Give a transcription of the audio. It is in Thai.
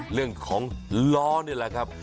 เรื่องของล้อนี่แหละครับ